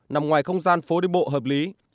nằm ngoài không gian phố đi bộ hợp lý